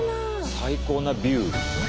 最高なビュー。